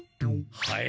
はい。